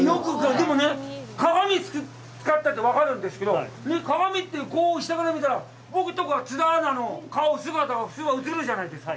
でもね、鏡を使ったって分かるんですけど、鏡って、下から見たら、僕とか津田アナの姿が映るじゃないですか。